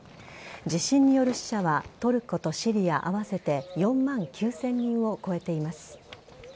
地震による死者はトルコとシリア合わせて４万９０００人を超えています。